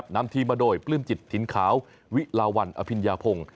นำทีมมาโดยปลื้มจิตถิ่นขาววิลาวันอภิญญาพงศ์